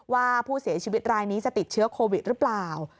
ว่าผู้เสียชีวิตรายนี้จะติดเชื้อโควิดหรือเปล่า